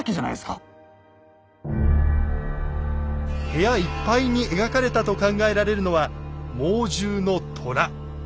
部屋いっぱいに描かれたと考えられるのは猛獣の虎。